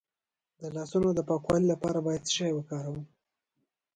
د لاسونو د پاکوالي لپاره باید څه شی وکاروم؟